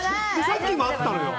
さっきも会ったのよ。